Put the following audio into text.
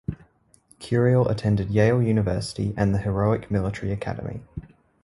Curiel attended Yale University and the Heroic Military Academy.